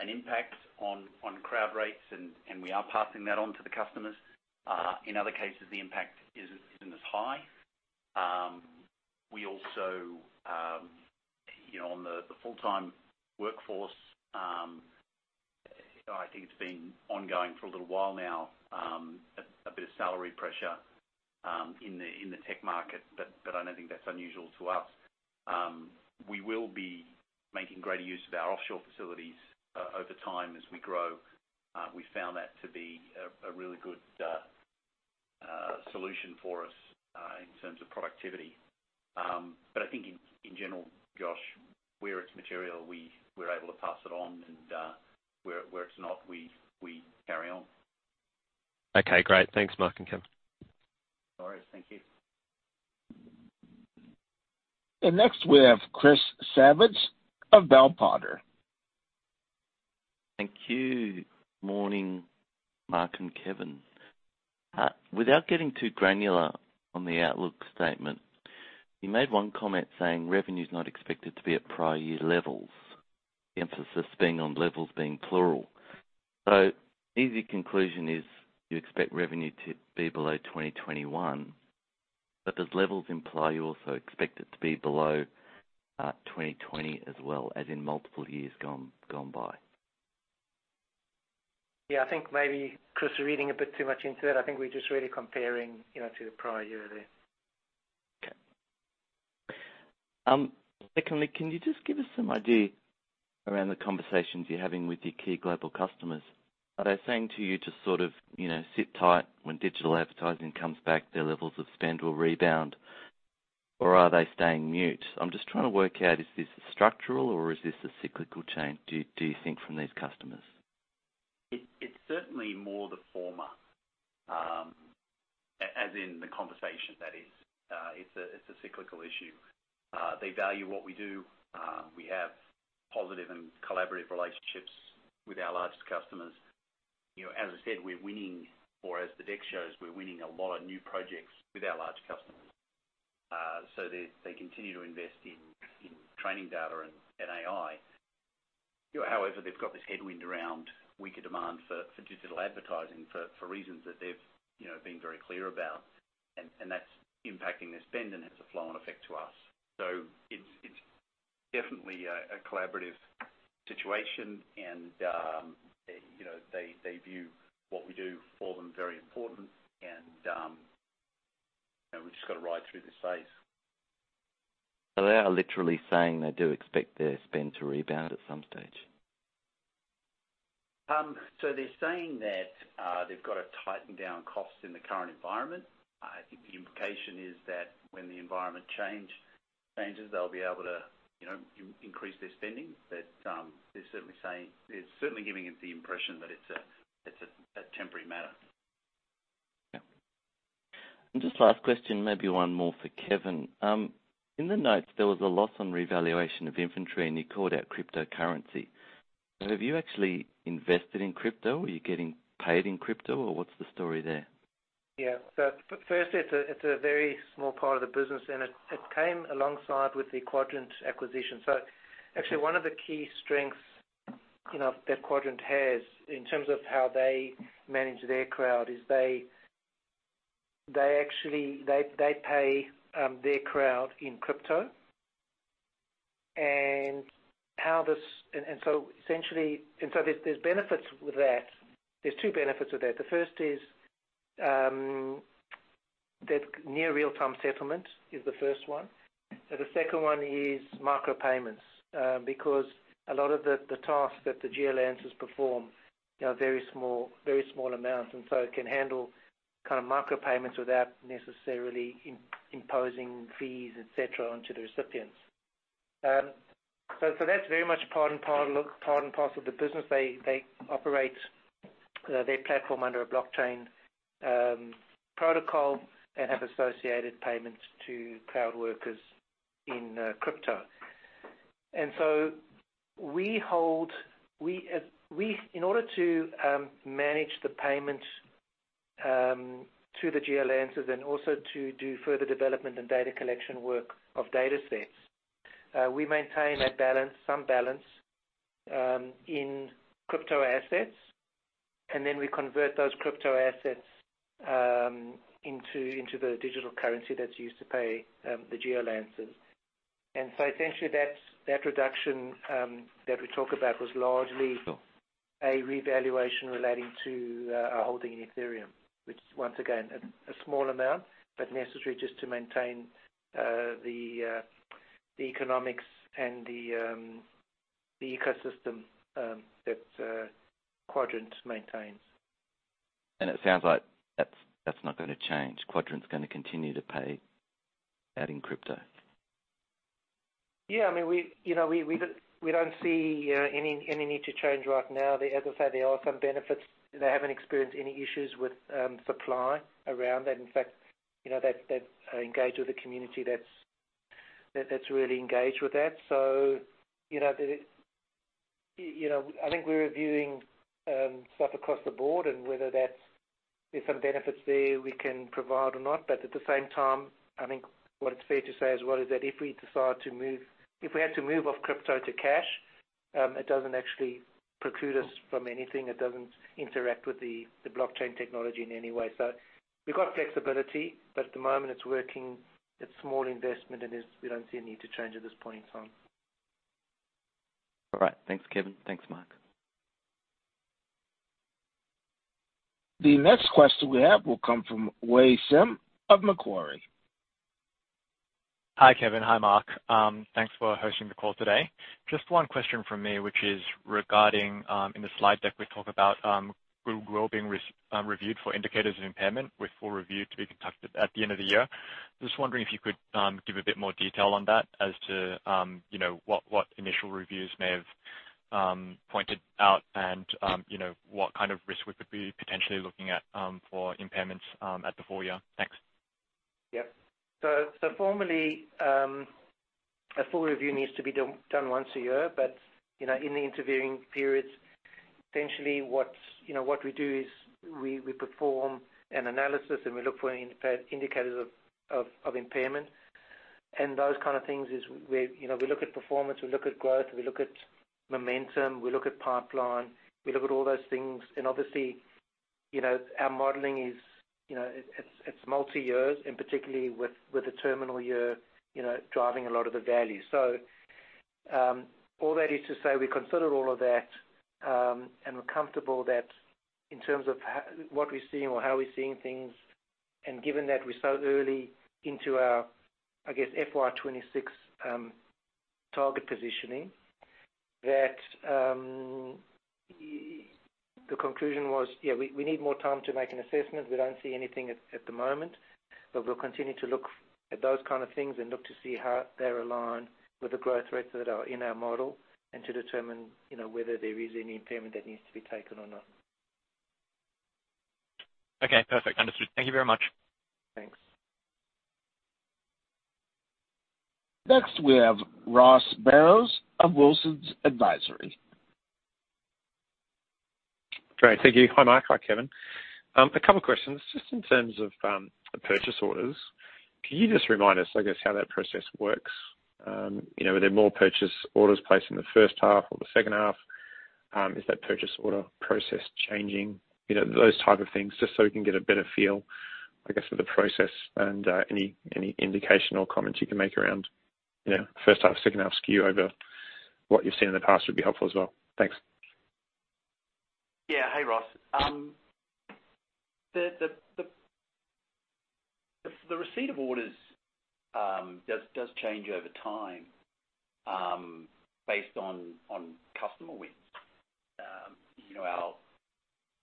an impact on crowd rates and we are passing that on to the customers. In other cases the impact isn't as high. We also, you know, on the full-time workforce, I think it's been ongoing for a little while now, a bit of salary pressure in the tech market, but I don't think that's unusual to us. We will be making greater use of our offshore facilities over time as we grow. We found that to be a really good solution for us in terms of productivity. I think in general, Josh, where it's material, we're able to pass it on and where it's not, we carry on. Okay. Great. Thanks, Mark and Kevin. No worries. Thank you. Next we have Chris Savage of Bell Potter. Thank you. Morning, Mark and Kevin. Without getting too granular on the outlook statement, you made one comment saying revenue's not expected to be at prior year levels, the emphasis being on levels being plural. Easy conclusion is you expect revenue to be below 2021, but does levels imply you also expect it to be below 2020 as well as in multiple years gone by? Yeah, I think maybe Chris reading a bit too much into that. I think we're just really comparing, you know, to the prior year there. Okay. Secondly, can you just give us some idea around the conversations you're having with your key global customers? Are they saying to you to sort of, you know, sit tight when digital advertising comes back, their levels of spend will rebound? Or are they staying mute? I'm just trying to work out, is this structural or is this a cyclical change, do you think, from these customers? It's certainly more the former. As in the conversation that is. It's a cyclical issue. They value what we do. We have positive and collaborative relationships with our largest customers. You know, as I said, we're winning, or as the deck shows, we're winning a lot of new projects with our large customers. They continue to invest in training data and AI. You know, however, they've got this headwind around weaker demand for digital advertising for reasons that they've, you know, been very clear about. That's impacting their spend, and it's a flow on effect to us. It's definitely a collaborative situation and, you know, they view what we do for them very important and, you know, we've just gotta ride through this phase. They are literally saying they do expect their spend to rebound at some stage. They're saying that they've got to tighten down costs in the current environment. I think the implication is that when the environment changes, they'll be able to, you know, increase their spending. They're certainly giving us the impression that it's a temporary matter. Yeah. Just last question, maybe one more for Kevin. In the notes there was a loss on revaluation of inventory, and you called out cryptocurrency. Have you actually invested in crypto? Are you getting paid in crypto, or what's the story there? Firstly, it's a very small part of the business, and it came alongside with the Quadrant acquisition. Actually one of the key strengths, you know, that Quadrant has in terms of how they manage their crowd is they pay their crowd in crypto. There's benefits with that. There are two benefits with that. The first is that near real-time settlement is the first one. The second one is micropayments, because a lot of the tasks that the GeoLancers perform, you know, are very small amounts, and so it can handle kind of micropayments without necessarily imposing fees, et cetera, onto the recipients. That's very much part and parcel of the business. They operate their platform under a blockchain protocol and have associated payments to crowd workers in crypto. In order to manage the payments to the Geolancers and also to do further development and data collection work of datasets, we maintain a balance in crypto assets, and then we convert those crypto assets into the digital currency that's used to pay the Geolancers. Essentially that reduction that we talk about was largely a revaluation relating to our holding in Ethereum. Which once again, a small amount, but necessary just to maintain the economics and the ecosystem that Quadrant maintains. It sounds like that's not gonna change. Quadrant's gonna continue to pay out in crypto. Yeah. I mean, we, you know, we don't see any need to change right now. As I said, there are some benefits. They haven't experienced any issues with supply around that. In fact, you know, they engage with a community that's really engaged with that. You know, I think we're reviewing stuff across the board and whether that's, there's some benefits there we can provide or not. At the same time, I think what it's fair to say as well is that if we decide to move, if we had to move off crypto to cash, it doesn't actually preclude us from anything. It doesn't interact with the blockchain technology in any way. We've got flexibility, but at the moment it's working. It's a small investment and we don't see a need to change at this point in time. All right. Thanks, Kevin. Thanks, Mark. The next question we have will come from Zhe Wei Sim of Macquarie. Hi, Kevin. Hi, Mark. Thanks for hosting the call today. Just one question from me, which is regarding in the slide deck, we talk about goodwill being reviewed for indicators of impairment, with full review to be conducted at the end of the year. Just wondering if you could give a bit more detail on that as to you know what initial reviews may have pointed out and you know what kind of risk we could be potentially looking at for impairments at the full year. Thanks. Formally, a full review needs to be done once a year. You know, in the intervening periods, essentially what we do is we perform an analysis, and we look for indicators of impairment. Those kind of things is where, you know, we look at performance, we look at growth, we look at momentum, we look at pipeline, we look at all those things. You know, our modeling is, you know, it's multiyears and particularly with the terminal year, you know, driving a lot of the value. All that is to say, we consider all of that, and we're comfortable that in terms of what we're seeing or how we're seeing things, and given that we're so early into our, I guess, FY 2026 target positioning, that the conclusion was, yeah, we need more time to make an assessment. We don't see anything at the moment, but we'll continue to look at those kind of things and look to see how they're aligned with the growth rates that are in our model and to determine, you know, whether there is any impairment that needs to be taken or not. Okay. Perfect. Understood. Thank you very much. Thanks. Next, we have Ross Barrows of Wilsons Advisory. Great. Thank you. Hi, Mark. Hi, Kevin. A couple questions. Just in terms of the purchase orders, can you just remind us, I guess, how that process works? You know, are there more purchase orders placed in the first half or the second half? Is that purchase order process changing? You know, those type of things, just so we can get a better feel, I guess, for the process and any indication or comments you can make around, you know, first half, second half skew over what you've seen in the past would be helpful as well. Thanks. Yeah. Hey, Ross. The receipt of orders does change over time based on customer wins. You know, our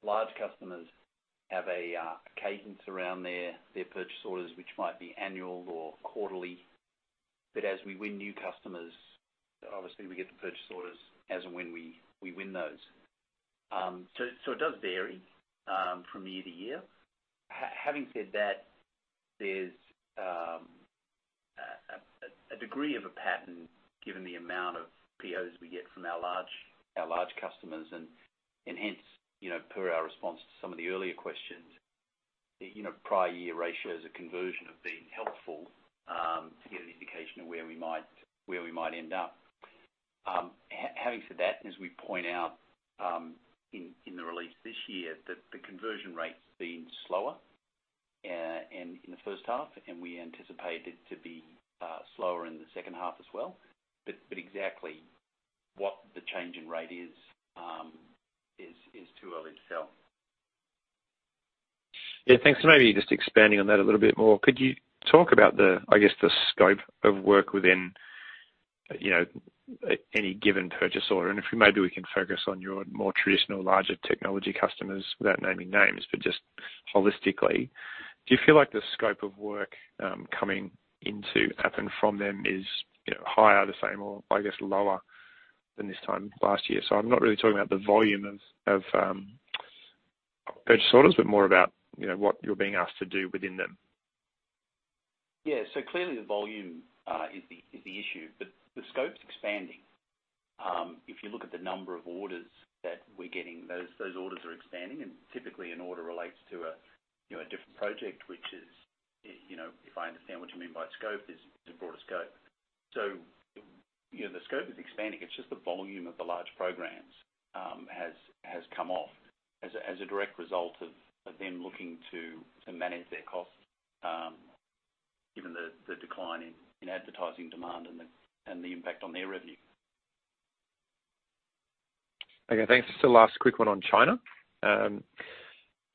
large customers have a cadence around their purchase orders, which might be annual or quarterly. As we win new customers, obviously we get the purchase orders as and when we win those. It does vary from year to year. Having said that, there's a degree of a pattern given the amount of POs we get from our large customers. Hence, you know, per our response to some of the earlier questions, the prior year ratio as a conversion have been helpful to get an indication of where we might end up. Having said that, as we point out in the release this year, the conversion rate's been slower in the first half, and we anticipate it to be slower in the second half as well. Exactly what the change in rate is is too early to tell. Yeah. Thanks. Maybe just expanding on that a little bit more, could you talk about the, I guess, the scope of work within, you know, any given purchase order? If maybe we can focus on your more traditional larger technology customers without naming names, but just holistically, do you feel like the scope of work coming into Appen from them is, you know, higher, the same, or I guess lower than this time last year? I'm not really talking about the volume of purchase orders, but more about, you know, what you're being asked to do within them. Yeah. Clearly the volume is the issue, but the scope's expanding. If you look at the number of orders that we're getting, those orders are expanding, and typically an order relates to a, you know, a different project, which is, you know, if I understand what you mean by scope, is a broader scope. You know, the scope is expanding. It's just the volume of the large programs has come off as a direct result of them looking to manage their costs, given the decline in advertising demand and the impact on their revenue. Okay. Thanks. Just a last quick one on China. You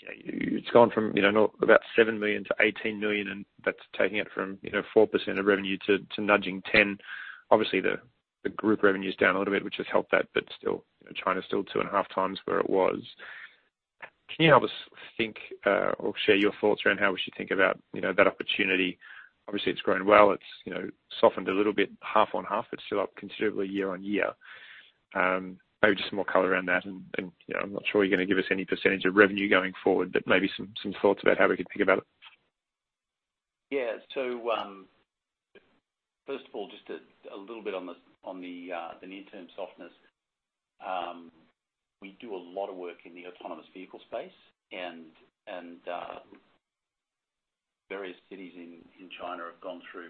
know, it's gone from, you know, not about $7 million to $18 million, and that's taking it from, you know, 4% of revenue to nudging 10%. Obviously, the group revenue's down a little bit, which has helped that, but still, you know, China's still 2.5 times where it was. Can you help us think, or share your thoughts around how we should think about, you know, that opportunity? Obviously, it's grown well. It's, you know, softened a little bit half on half. It's still up considerably year-on-year. Maybe just some more color around that and, you know, I'm not sure you're gonna give us any percentage of revenue going forward, but maybe some thoughts about how we could think about it. Yeah. First of all, just a little bit on the near-term softness. We do a lot of work in the autonomous vehicle space and various cities in China have gone through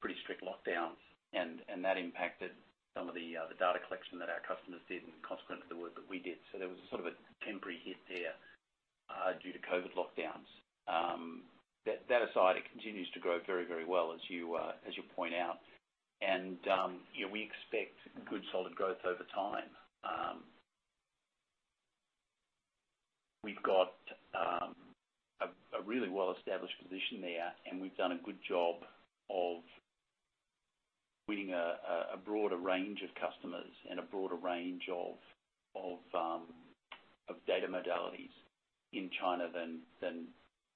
pretty strict lockdowns and that impacted some of the data collection that our customers did and consequently the work that we did. There was sort of a temporary hit there due to COVID lockdowns. That aside, it continues to grow very well as you point out. You know, we expect good solid growth over time. We've got a really well-established position there, and we've done a good job of winning a broader range of customers and a broader range of data modalities in China than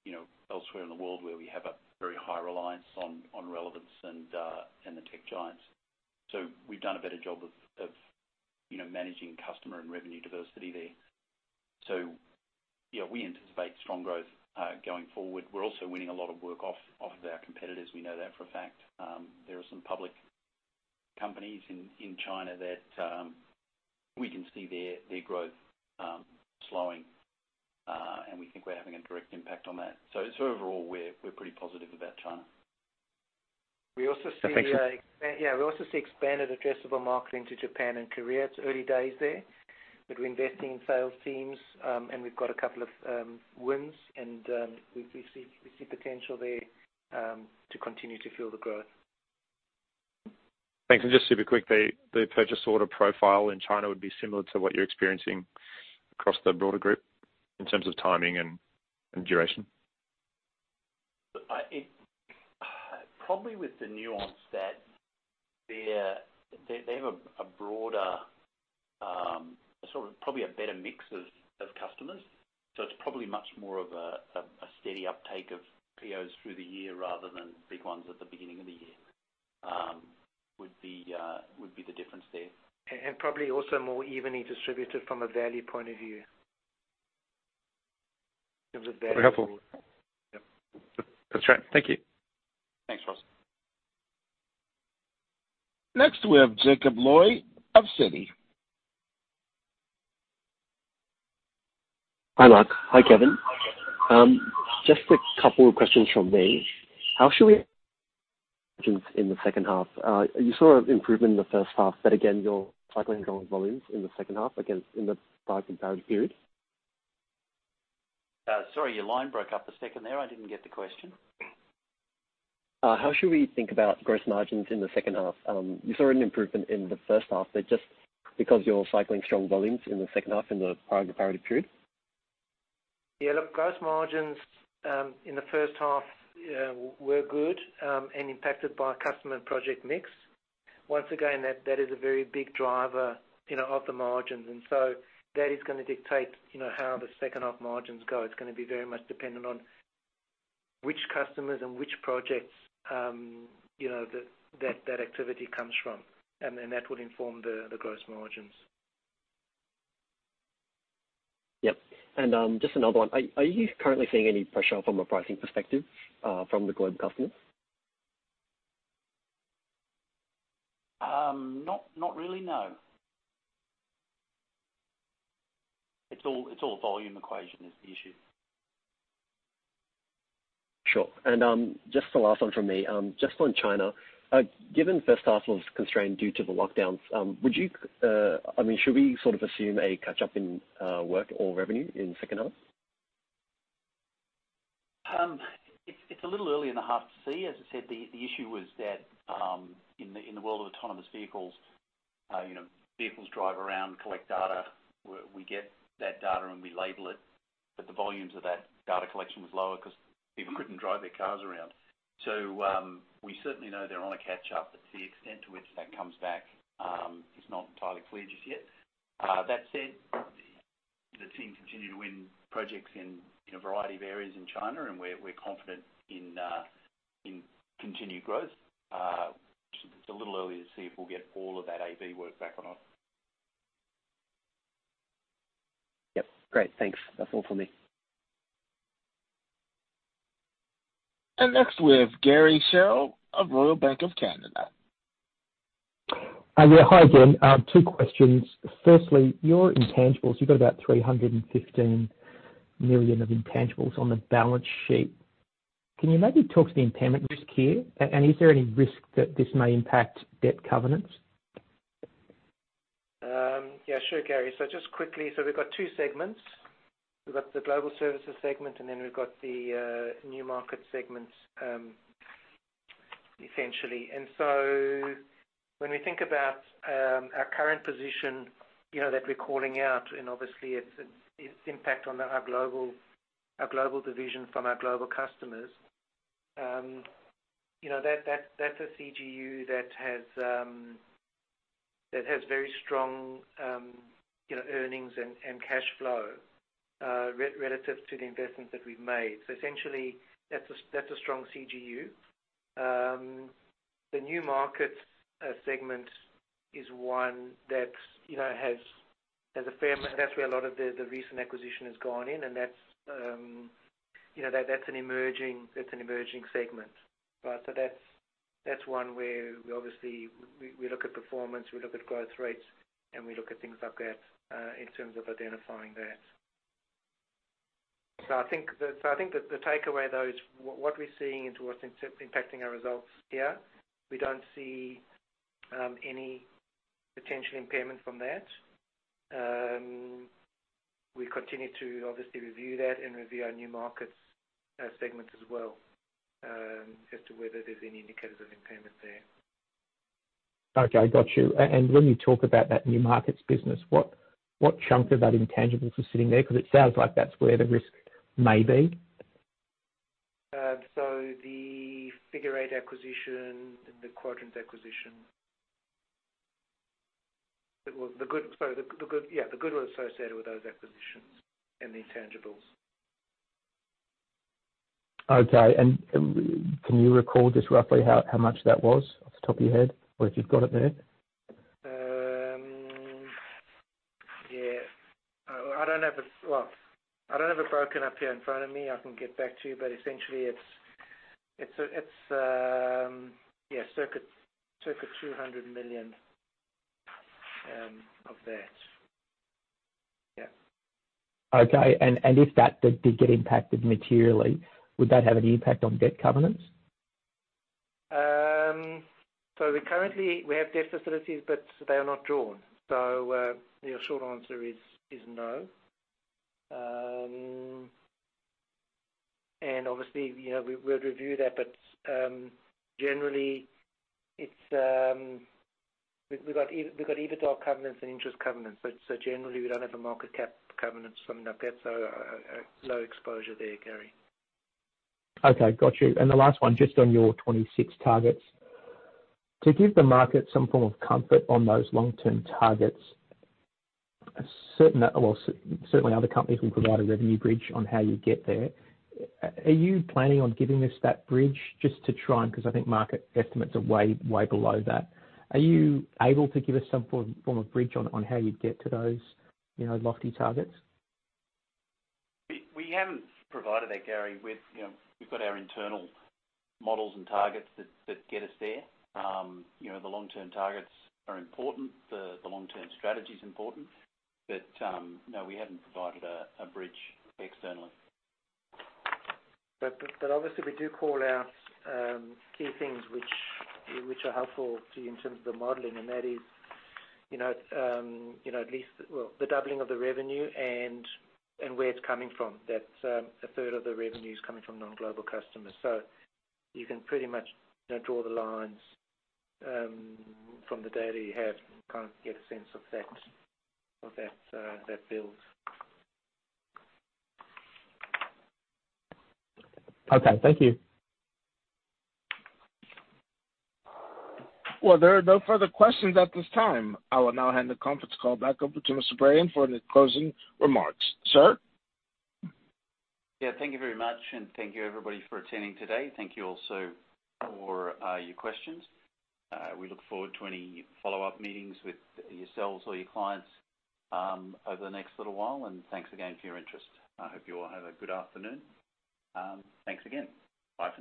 you know elsewhere in the world where we have a very high reliance on relevance and the tech giants. We've done a better job of you know managing customer and revenue diversity there. Yeah, we anticipate strong growth going forward. We're also winning a lot of work off of our competitors. We know that for a fact. There are some public companies in China that we can see their growth slowing and we think we're having a direct impact on that. Overall, we're pretty positive about China. We also see expanded addressable market into Japan and Korea. It's early days there, but we're investing in sales teams, and we've got a couple of wins and we see potential there to continue to fuel the growth. Thanks. Just super quick, the purchase order profile in China would be similar to what you're experiencing across the broader group in terms of timing and duration? Probably with the nuance that they have a broader sort of probably a better mix of customers. It's probably much more of a steady uptake of POs through the year rather than big ones at the beginning of the year, would be the difference there. probably also more evenly distributed from a value point of view. In terms of value. Very helpful. Yep. That's right. Thank you. Thanks, Ross. Next we have Jacob Lowe of Citi. Hi, Mark. Hi, Kevin. Just a couple of questions from me. How should we in the second half? You saw an improvement in the first half, but again, you're cycling strong volumes in the second half, again, in the prior comparative period. Sorry, your line broke up a second there. I didn't get the question. How should we think about gross margins in the second half? You saw an improvement in the first half, but just because you're cycling strong volumes in the second half in the prior comparable period. Yeah, look, gross margins in the first half were good and impacted by customer and project mix. Once again, that is a very big driver, you know, of the margins. That is gonna dictate, you know, how the second half margins go. It's gonna be very much dependent on which customers and which projects, you know, that activity comes from. That would inform the gross margins. Yep. Just another one. Are you currently seeing any pressure from a pricing perspective, from the Global customers? Not really, no. It's all volume equation is the issue. Sure. Just the last one from me. Just on China, given first half was constrained due to the lockdowns, I mean, should we sort of assume a catch-up in work or revenue in second half? It's a little early in the half to see. As I said, the issue was that, in the world of autonomous vehicles, you know, vehicles drive around, collect data. We get that data, and we label it, but the volumes of that data collection was lower 'cause people couldn't drive their cars around. We certainly know they're on a catch-up, but the extent to which that comes back is not entirely clear just yet. That said, the team continue to win projects in a variety of areas in China, and we're confident in continued growth. It's a little early to see if we'll get all of that AV work back or not. Yep. Great. Thanks. That's all for me. Next, we have Garry Sherriff of Royal Bank of Canada. Hi again. Two questions. Firstly, your intangibles, you've got about $315 million of intangibles on the balance sheet. Can you maybe talk to the impairment risk here? And is there any risk that this may impact debt covenants? Yeah, sure, Garry. Just quickly, so we've got two segments. We've got the Global Services segment, and then we've got the New Markets segments, essentially. When we think about our current position, you know, that we're calling out, and obviously its impact on our global division from our global customers, you know, that's a CGU that has very strong, you know, earnings and cash flow relative to the investments that we've made. Essentially that's a strong CGU. The New Markets segment is one that, you know, has a fair amount. That's where a lot of the recent acquisition has gone in and that's, you know, that's an emerging segment. That's one where we obviously look at performance, we look at growth rates, and we look at things like that, in terms of identifying that. I think the takeaway though is what we're seeing is what's impacting our results here, we don't see any potential impairment from that. We continue to obviously review that and review our New Markets segment as well, as to whether there's any indicators of impairment there. Okay. Got you. When you talk about that New Markets business, what chunk of that intangibles are sitting there? 'Cause it sounds like that's where the risk may be. The Figure Eight acquisition and the Quadrant acquisition. It was the goodwill associated with those acquisitions and the intangibles. Okay. Can you recall just roughly how much that was off the top of your head or if you've got it there? Yeah. I don't have it. Well, I dont have it broken up here in front of me. I can get back to you, but essentially it's yeah, circa $200 million of that. Yeah. Okay. If that did get impacted materially, would that have any impact on debt covenants? We currently we have debt facilities, but they are not drawn. The short answer is no. Obviously, you know, we would review that, but generally we've got EBITDA covenants and interest covenants. Generally we don't have a market cap covenant. Now that's a low exposure there, Garry. Okay. Got you. The last one, just on your 26 targets. To give the market some form of comfort on those long-term targets, well, certainly other companies will provide a revenue bridge on how you get there. Are you planning on giving us that bridge just to try and because I think market estimates are way below that. Are you able to give us some form of bridge on how you'd get to those, you know, lofty targets? We haven't provided that, Garry. We've, you know, we've got our internal models and targets that get us there. You know, the long-term targets are important. The long-term strategy is important. No, we haven't provided a bridge externally. Obviously we do call out key things which are helpful to you in terms of the modeling. That is, you know, you know, at least, well, the doubling of the revenue and where it's coming from. That a third of the revenue is coming from non-global customers. You can pretty much, you know, draw the lines from the data you have, kind of get a sense of that, of that build. Okay, thank you. Well, there are no further questions at this time. I will now hand the conference call back over to Mr. Brayan for any closing remarks. Sir? Yeah. Thank you very much, and thank you everybody for attending today. Thank you also for your questions. We look forward to any follow-up meetings with yourselves or your clients over the next little while. Thanks again for your interest. I hope you all have a good afternoon. Thanks again. Bye for now.